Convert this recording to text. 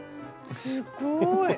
すっごい。